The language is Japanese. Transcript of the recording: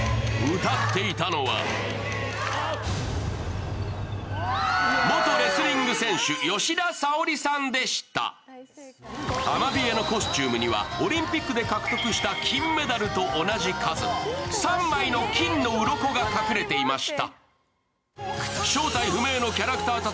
歌っていたのはアマビエのコスチュームに隠れていたのはオリンピックで獲得した金メダルと同じ数、３枚の金のうろこが隠れていました。